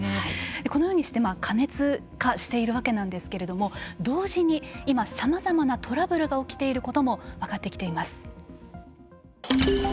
このようにして過熱化しているわけなんですけれども同時に今さまざまなトラブルが起きていることも分かってきています。